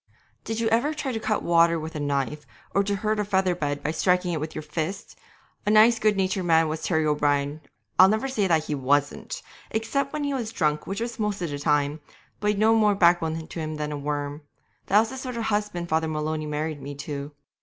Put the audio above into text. Did you ever try to cut water with a knife, or to hurt a feather bed by striking at it with your fist? A nice good natured man was Terry O'Brien I'll never say that he wasn't that, except when he was drunk, which was most of the time but he'd no more backbone to him than a worm. That was the sort of husband Father Maloney married me to.